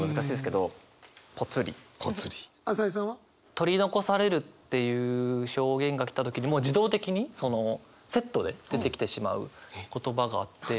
「取残される」っていう表現が来た時にもう自動的にセットで出てきてしまう言葉があって。